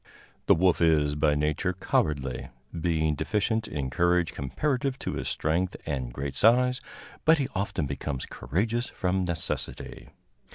The wolf is by nature cowardly, being deficient in courage comparative to his strength and great size, but he often becomes courageous from necessity.